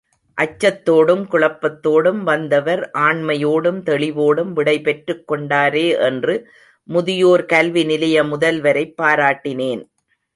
அச்சத்தோடும் குழப்பத்தோடும் வந்தவர் ஆண்மையோடும் தெளிவோடும் விடை பெற்றுக் கொண்டாரே என்று முதியோர் கல்வி நிலைய முதல்வரைப் பாராட்டினேன்.